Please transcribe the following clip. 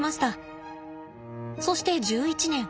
そして１１年。